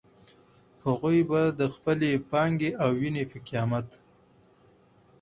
هغوی به د خپلې پانګې او وينې په قيمت.